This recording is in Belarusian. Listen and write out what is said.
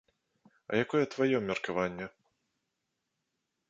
А якое тваё меркаванне?